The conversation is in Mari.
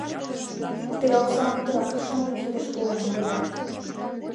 Те оксам путырак ӱшанле кидыш пуэн улыда...